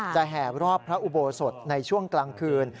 แห่รอบพระอุโบสถในช่วงกลางคืน